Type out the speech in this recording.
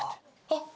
あっ！